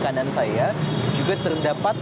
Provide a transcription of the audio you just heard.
kanan saya juga terdapat